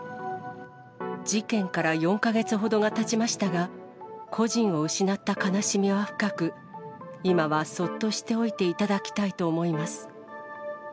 事件から４か月ほどがたちましたが、故人を失った悲しみは深く、今はそっとしておいていただきたいと思います。